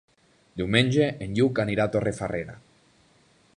Diumenge en Lluc anirà a Torrefarrera.